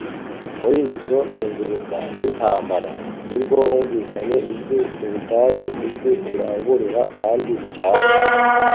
Muri izo ntuguruda n'intambara, ni bwo humvikanye ijwi mu butayu ijwi rirangurura kandi ricyaha,